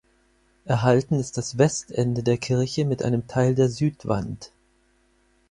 Erhalten ist das Westende der Kirche mit einem Teil der Südwand.